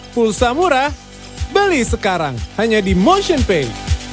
pulsa murah beli sekarang hanya di motionpay